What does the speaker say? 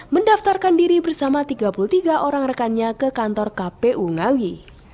mendaftarkan diri bersama tiga puluh tiga orang rekannya ke kantor kpu ngawi